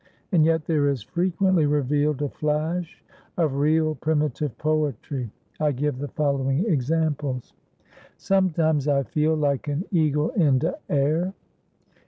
And, yet, there is frequently revealed a flash of real, primitive poetry. I give the following examples: "Sometimes I feel like an eagle in de air."